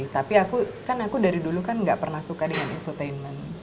tapi aku kan dari dulu gak pernah suka dengan infotainment